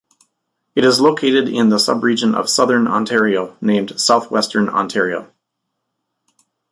It is located in the subregion of Southern Ontario named Southwestern Ontario.